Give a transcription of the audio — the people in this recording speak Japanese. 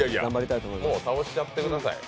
いやいや、もう倒しちゃってください。